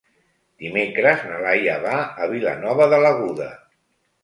Dimecres na Laia va a Vilanova de l'Aguda.